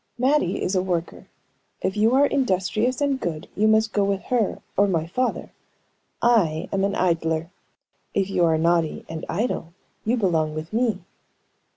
Mattie is a worker; if you are industrious and good, you must go with her or my father. I am an idler; if you are naughty and idle, you belong with me."